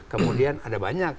kemudian ada banyak